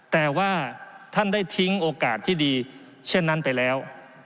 แต่ว่าท่านได้ทิ้งโอกาสที่ดีเช่นนั้นไปแล้ว